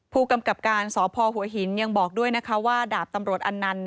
ผู้กำกับการสพหัวหินยังบอกด้วยนะคะว่าดาบตำรวจอันนันต์